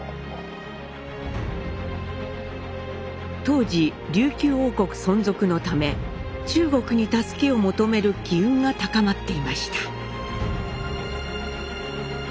当時琉球王国存続のため中国に助けを求める機運が高まっていました。